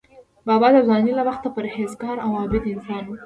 بابا د ځوانۍ له وخته پرهیزګار او عابد انسان و.